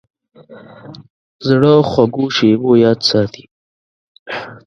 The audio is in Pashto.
زړه د خوږو شیبو یاد ساتي.